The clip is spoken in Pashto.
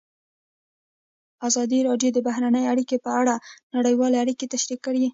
ازادي راډیو د بهرنۍ اړیکې په اړه نړیوالې اړیکې تشریح کړي.